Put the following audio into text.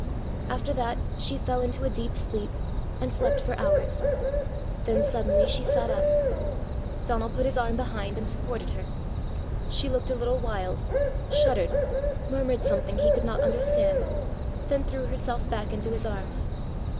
After that she fell into a deep sleep, and slept for hours. Then suddenly she sat up. Donal put his arm behind and supported her. She looked a little wild, shuddered, murmured something he could not understand, then threw herself back into his arms.